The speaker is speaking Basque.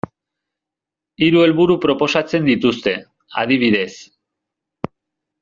Hiru helburu proposatzen dituzte, adibidez.